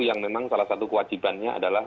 yang memang salah satu kewajibannya adalah